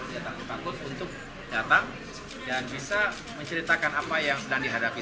dia takut takut untuk datang dan bisa menceritakan apa yang sedang dihadapi